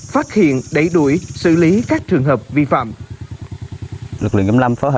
phát hiện đẩy đuổi